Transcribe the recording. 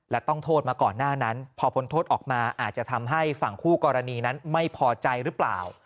และต้องโทษมาก่อนหน้านั้นพอพ้นโทษออกมาอาจจะทำให้ฝั่งคู่กรณีนั้นไม่พอใจหรือเปล่า